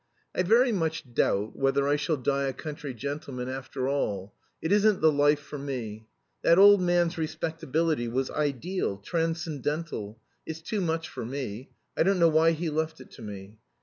"I very much doubt whether I shall die a country gentleman after all. It isn't the life for me. That old man's respectability was ideal transcendental it's too much for me. I don't know why he left it to me.